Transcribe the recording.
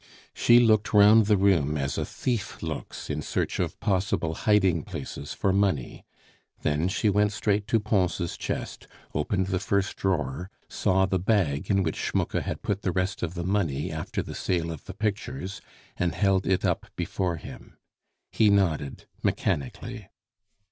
She looked round the room as a thief looks in search of possible hiding places for money; then she went straight to Pons' chest, opened the first drawer, saw the bag in which Schmucke had put the rest of the money after the sale of the pictures, and held it up before him. He nodded mechanically.